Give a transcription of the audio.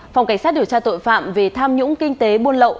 phòng cảnh sát điều tra tội phạm về tham nhũng kinh tế buôn lậu